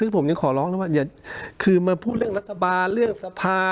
ซึ่งผมยังขอร้องนะว่าอย่าคือมาพูดเรื่องรัฐบาลเรื่องสภา